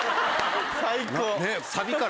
最高。